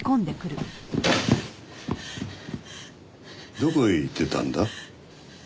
どこへ行ってたんだ？